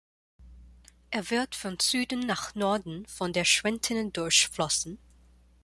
Er wird von Süden nach Norden von der Schwentine durchflossen.